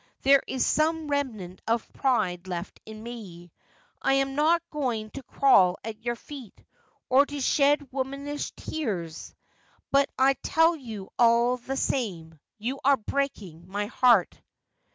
There is some remnant of pride left in me. I am not going to crawl at your feet, or to shed womanish tears. But I tell you all the same, you are breaking my heart.'